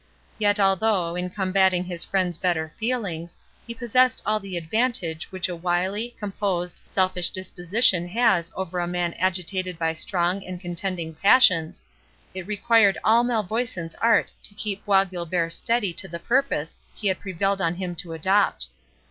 Yet although, in combating his friend's better feelings, he possessed all the advantage which a wily, composed, selfish disposition has over a man agitated by strong and contending passions, it required all Malvoisin's art to keep Bois Guilbert steady to the purpose he had prevailed on him to adopt.